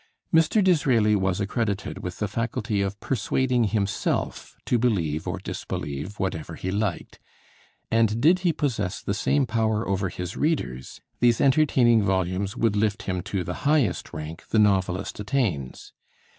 Mr. Disraeli was accredited with the faculty of persuading himself to believe or disbelieve whatever he liked; and did he possess the same power over his readers, these entertaining volumes would lift him to the highest rank the novelist attains.